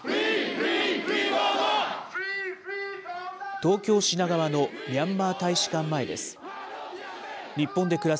東京・品川のミャンマー大使館前です。